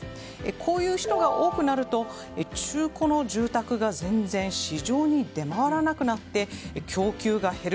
こういう人が多くなると中古の住宅が全然、市場に出回らなくなって供給が減る。